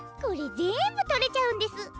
これぜんぶとれちゃうんです。